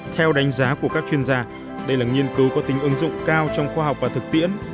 theo đánh giá của các chuyên gia đây là nghiên cứu có tính ứng dụng cao trong khoa học và thực tiễn